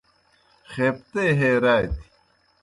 خیپتے ہے راتیْ